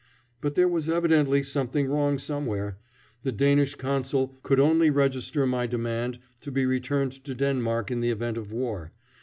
But there was evidently something wrong somewhere. The Danish Consul could only register my demand to be returned to Denmark in the event of war.